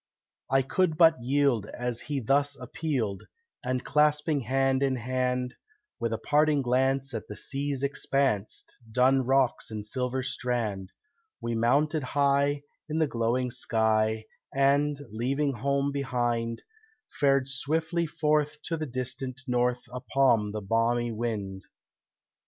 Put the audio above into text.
I could but yield as he thus appealed, And clasping hand in hand, With a parting glance at the sea's expanse, Dun rocks and silver strand, We mounted high in the glowing sky, And, leaving home behind, Fared swiftly forth to the distant north Upon the balmy wind.